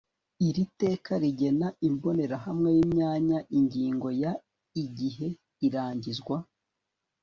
Iri teka rigena imbonerahamwe y imyanya Ingingo ya Igihe irangizwa